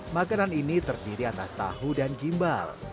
makanan ini terdiri atas tahu dan gimbal